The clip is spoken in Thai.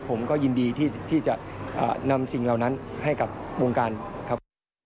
ผมก็ยินดีที่จะนำสิ่งเหล่านั้นให้กับวงการครับ